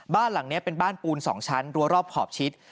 บ้านหลังนี้เป็นบ้านปูน๒ชั้นรัวรอบขอบชิด